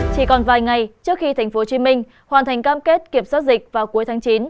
chỉ còn vài ngày trước khi tp hcm hoàn thành cam kết kiểm soát dịch vào cuối tháng chín